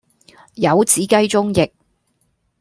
袖子雞中翼